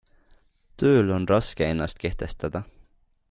Tööl on raske ennast kehtestada.